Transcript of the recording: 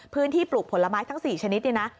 ปลูกผลไม้ทั้ง๔ชนิดเนี่ยนะ